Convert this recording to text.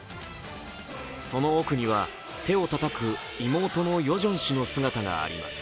その奥には、手をたたく妹のヨジョン氏の姿があります。